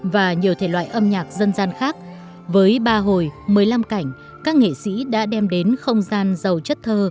và nhiều thể loại âm nhạc dân gian khác với ba hồi một mươi năm cảnh các nghệ sĩ đã đem đến không gian giàu chất thơ